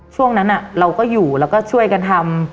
ช่วงนั้นเราก็อยู่แล้วก็ช่วยกันทำ